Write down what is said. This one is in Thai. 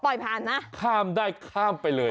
อ๋อปล่อยผ่านนะข้ามได้ข้ามไปเลย